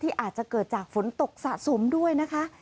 อาจจะเกิดจากฝนตกสะสมด้วยนะคะ